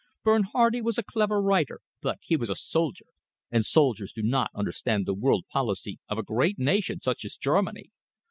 Bernhardi was a clever writer, but he was a soldier, and soldiers do not understand the world policy of a great nation such as Germany.